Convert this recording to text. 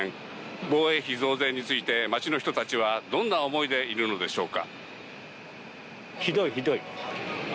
防衛費増税について街の人たちはどんな思いでいるのでしょうか。